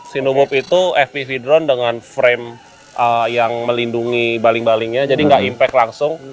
sinomop itu fp hidron dengan frame yang melindungi baling balingnya jadi nggak impact langsung